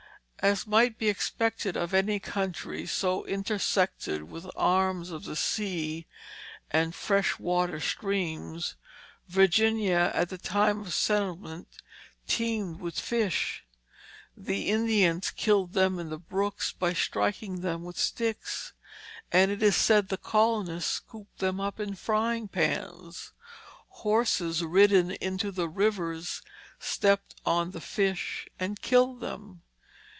As might be expected of any country so intersected with arms of the sea and fresh water streams, Virginia at the time of settlement teemed with fish. The Indians killed them in the brooks by striking them with sticks, and it is said the colonists scooped them up in frying pans. Horses ridden into the rivers stepped on the fish and killed them.